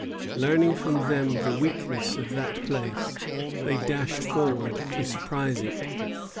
Learning from them the weakness of that place, they dashed forward to surprise it.